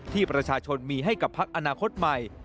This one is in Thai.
ที่ประชาชนมีให้กับพักอนาคตใหม่